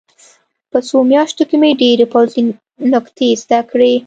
په څو میاشتو کې مې ډېرې پوځي نکتې زده کړې